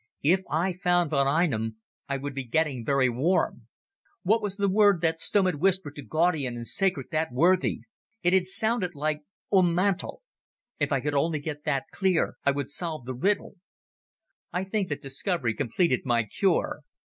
If I found von Einem I would be getting very warm. What was the word that Stumm had whispered to Gaudian and scared that worthy? It had sounded like Ühnmantl. If I could only get that clear, I would solve the riddle. I think that discovery completed my cure.